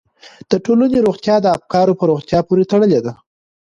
د ټولنې روغتیا د افکارو په روغتیا پورې تړلې ده.